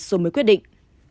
rồi mới quyết định